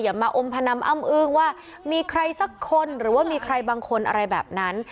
มาอมพนันอ้ำอึ้งว่ามีใครสักคนหรือว่ามีใครบางคนอะไรแบบนั้น